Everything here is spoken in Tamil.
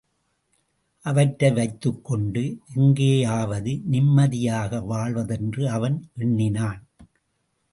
அவற்றை வைத்துக்கொண்டு எங்கேயாவது நிம்மதியாக வாழ்வதென்று அவன் எண்ணினான்.